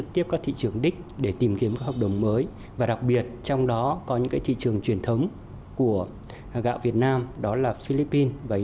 thuộc khối eu và mỹ